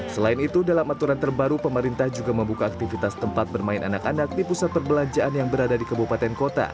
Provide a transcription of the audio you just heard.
selain itu dalam aturan terbaru pemerintah juga membuka aktivitas tempat bermain anak anak di pusat perbelanjaan yang berada di kabupaten kota